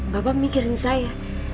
bapak mikirin saya